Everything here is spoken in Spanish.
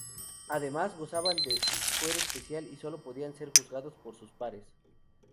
Además, gozaban de fuero especial y solo podían ser juzgados por sus pares.